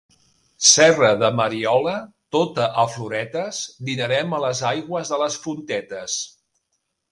Serra de Mariola, tota a floretes, dinarem a les aigües de les fontetes.